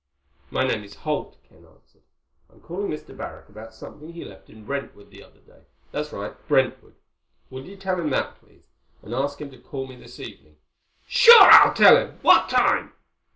"My name is Holt," Ken answered. "I'm calling Mr. Barrack about something he left in Brentwood the other day.... That's right. Brentwood. Would you tell him that, please, and ask him to call me this evening?" "Sure. I'll tell him. What time?"